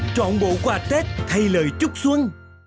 trọn bộ quà tết thay lời chúc xuân